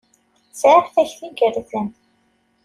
Sɛiɣ takti igerrzen.